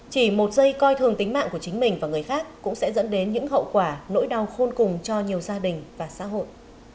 chỉ một giây coi thường tính mạng của chính mình và người khác cũng sẽ dẫn đến những hậu quả nỗi đau khôn cùng cho nhiều gia đình và xã hội